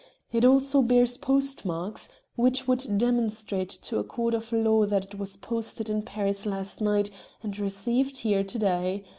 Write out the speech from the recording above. It also bears postmarks which would demonstrate to a court of law that it was posted in Paris last night and received here to day.